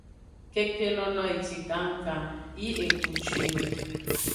Keke nono eji gannggan yi egbu juinni.